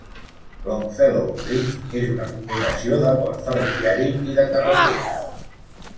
Longfellow Bridge és una combinació de pont ferroviari i de carretera.